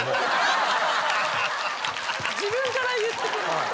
自分から言ってくる？